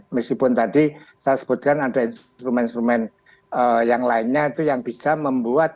meskipun tadi saya sebutkan ada instrumen instrumen yang lainnya itu yang bisa membuat